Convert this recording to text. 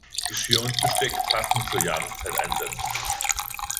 Geschirr und Besteck passend zur Jahreszeit einsetzen.